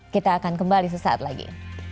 kita akan kembali sesaat lagi